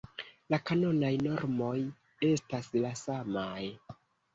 La kanonaj normoj estas la samaj.